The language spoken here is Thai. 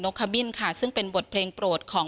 คบินค่ะซึ่งเป็นบทเพลงโปรดของ